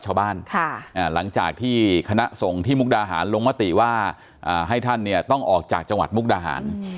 หลังจากที่คณะส่งที่มุกดาหารลงมติว่าให้ท่านเนี่ยต้องออกจากจังหวัดมุกดาหาร